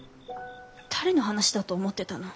誰の話だと思ってたの？